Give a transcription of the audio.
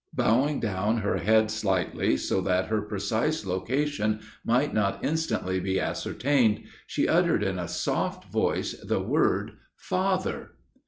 Bowing down her head slightly, so that her precise location might not instantly be ascertained, she uttered in a soft voice the word "FATHER!"